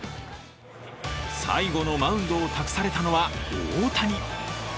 最後のマウンドを託されたのは大谷。